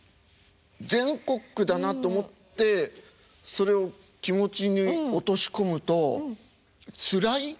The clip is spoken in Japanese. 全国区だなと思ってそれを気持ちに落とし込むとつらい？